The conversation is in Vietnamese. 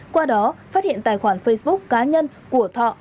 qua đó phát hiện tài khoản facebook cá nhân của thọ